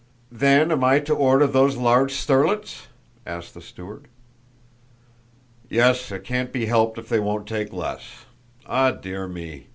"Then am I to order those large sterlets?" asked the steward. "Yes, it can't be helped if they won't take less. Ah, dear me!